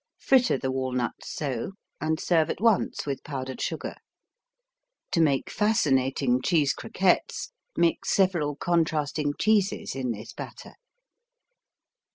Fritter the "walnuts" so, and serve at once with powdered sugar. To make fascinating cheese croquettes, mix several contrasting cheeses in this batter.